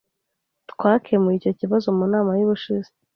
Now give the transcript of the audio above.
Twakemuye icyo kibazo mu nama yubushize.